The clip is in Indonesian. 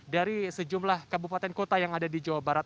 dari sejumlah kabupaten kota yang ada di jawa barat